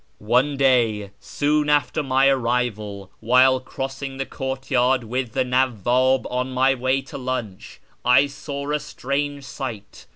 One day, soon after my arrival, while crossing the courtyard with the Nawwab on my way to lunch, I saw a strange sight.